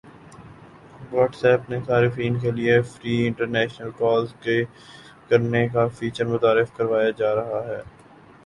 what's app نے صارفین کی لیے فری انٹرنیشنل کالز کرنے کا فیچر متعارف کروایا جا رہا ہے